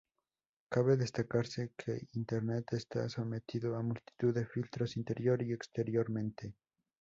Cabe destacarse que Internet está sometido a multitud de filtros interior y exteriormente.